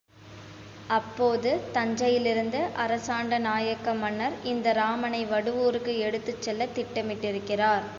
அப்போது தஞ்சையிலிருந்து அரசாண்ட நாயக்க மன்னர் இந்த ராமனை வடுவூருக்கு எடுத்துச் செல்லத் திட்டமிட்டிருக்கிறார்.